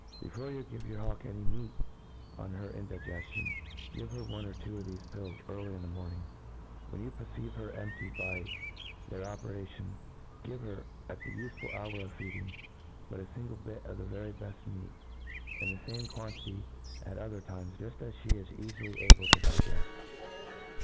Before you give your hawk any meat on her indigcftion, give her one or two of thcfe pill« early in the Jq(K)rning# When you perceive her emptied by their operation, giV'C her, at the iifual hom:* <if feeding, but a fmgle bit of the very beft meat, and the^&me^uantity at other times, jufl: as ihe i« eafily able to digefl.